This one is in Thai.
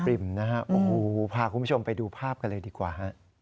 ริ่มนะฮะโอ้โหพาคุณผู้ชมไปดูภาพกันเลยดีกว่าฮะ